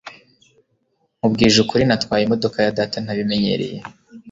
nkubwije ukuri, natwaye imodoka ya data ntabinyemereye